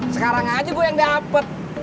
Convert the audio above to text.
sekarang aja gue yang dapet